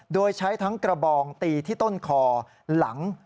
โดยใช้ทั้งกระบองตีที่ต้นคอหลัง